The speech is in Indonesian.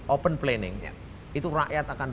open planning itu rakyat akan